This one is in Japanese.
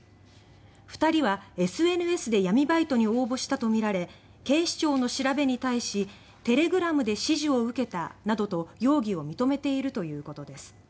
２人はＳＮＳで闇バイトに応募したとみられ警視庁の調べに対し「テレグラムで指示を受けた」などと容疑を認めているということです。